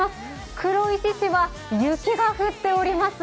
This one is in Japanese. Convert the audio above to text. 黒石市は雪が降っております。